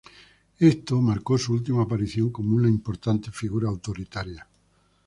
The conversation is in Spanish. Esto marcó su última aparición como una importante figura autoritaria.